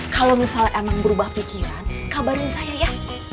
kalau misalnya emang berubah pikiran kabarin saya ya